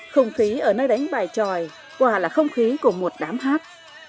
không khí ở nơi đánh bài tròi quả là không khí của một đám hát